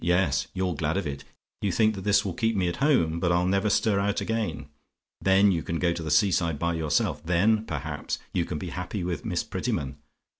Yes; you're glad of it. You think that this will keep me at home but I'll never stir out again. Then you can go to the sea side by yourself; then, perhaps, you can be happy with Miss Prettyman?